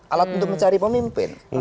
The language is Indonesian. alat untuk mencari pemimpin